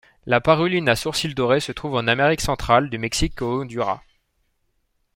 La paruline à sourcils dorés se trouve en Amérique centrale, du Mexique au Honduras.